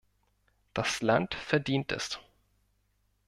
Das Land verdient es!